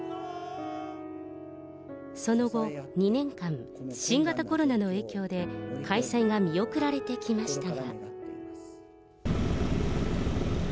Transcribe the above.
その後、２年間、新型コロナの影響で開催が見送られてきましたが。